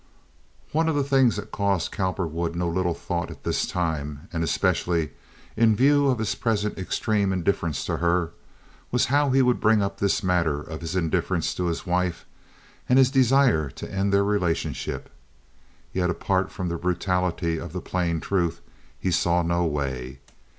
One of the things that caused Cowperwood no little thought at this time, and especially in view of his present extreme indifference to her, was how he would bring up this matter of his indifference to his wife and his desire to end their relationship. Yet apart from the brutality of the plain truth, he saw no way.